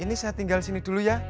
ini saya tinggal sini dulu ya